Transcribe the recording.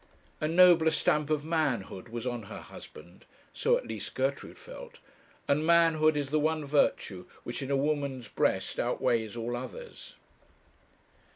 A nobler stamp of manhood was on her husband so at least Gertrude felt; and manhood is the one virtue which in a woman's breast outweighs all others.